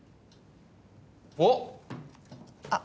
おっ！あっ。